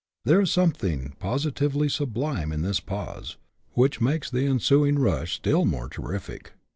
There is something positively sublime in this pause, which makes the ensuing rush still more terrific.